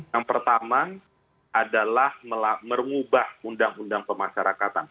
yang pertama adalah mengubah undang undang pemasyarakatan